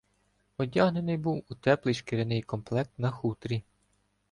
Одягнений був у теплий шкіряний комплект на хутрі.